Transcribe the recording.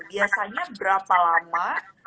biasanya berapa lama